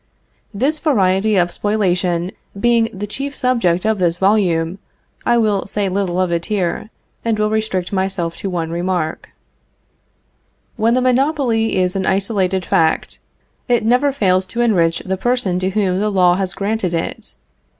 This variety of spoliation being the chief subject of this volume, I will say little of it here, and will restrict myself to one remark: When the monopoly is an isolated fact, it never fails to enrich the person to whom the law has granted it.